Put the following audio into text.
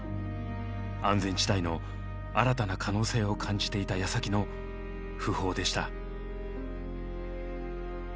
安全地帯の新たな可能性を感じていたやさきの訃報でした。